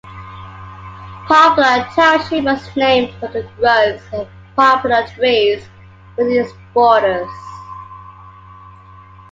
Poplar Township was named from the groves of poplar trees within its borders.